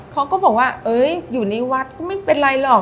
เขาก็บอกว่าอยู่ในวัดก็ไม่เป็นไรหรอก